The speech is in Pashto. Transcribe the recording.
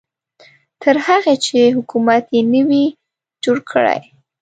تر هغې چې حکومت یې نه وي جوړ کړی.